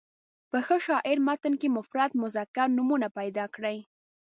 په ښه شاعر متن کې مفرد مذکر نومونه پیدا کړي.